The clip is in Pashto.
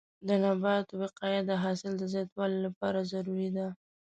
د نباتو وقایه د حاصل د زیاتوالي لپاره ضروري ده.